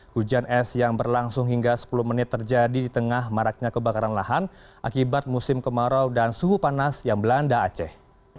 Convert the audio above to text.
hujan es yang berlangsung hingga sepuluh menit terjadi di tengah maraknya kebakaran lahan akibat musim kemarau dan suhu panas yang melanda aceh